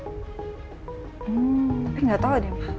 tapi nggak tahu deh mak